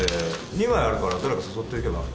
２枚あるからだれか誘って行けば？